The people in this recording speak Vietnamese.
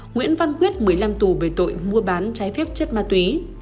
nguyễn văn quyết một mươi năm tù về tội mua bán trái phép chất ma túy